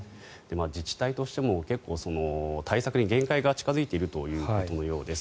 自治体としても対策に限界が近付いているということのようです。